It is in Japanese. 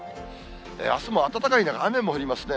あすも暖かいながら、雨も降りますね。